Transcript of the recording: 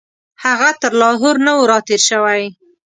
هغه تر لاهور نه وو راتېر شوی.